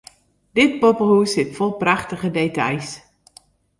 Dit poppehûs sit fol prachtige details.